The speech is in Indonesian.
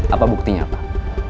apa buktinya pak